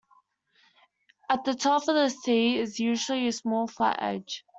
At the top of the "C" is usually a small flat edge.